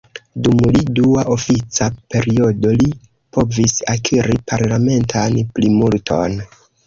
Dum li dua ofica periodo, li povis akiri parlamentan plimulton.